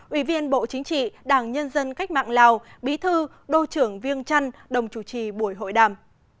ủy viên bộ chính trị đảng nhân dân cách mạng lào bí thư đô trưởng viêng trăn đồng chủ trì buổi hội đàm